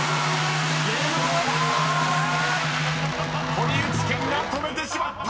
［堀内健が止めてしまった！］